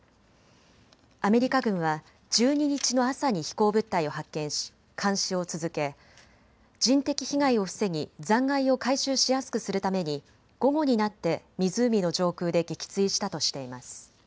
アメリカ軍は１２日の朝に飛行物体を発見し監視を続け人的被害を防ぎ、残骸を回収しやすくするために午後になって湖の上空で撃墜したとしています。